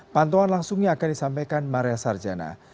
pantauan langsungnya akan disampaikan maria sarjana